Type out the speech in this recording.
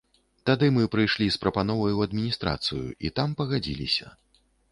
Тады мы прыйшлі з прапановай ў адміністрацыю і там пагадзіліся.